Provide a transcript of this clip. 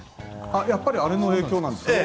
やっぱりあの影響なんですか。